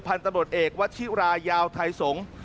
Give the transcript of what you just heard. พันธุ์ตำรวจเอกวัชิรายาวไทยสงศ์